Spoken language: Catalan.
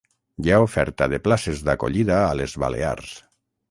Hi ha oferta de places d'acollida a les Balears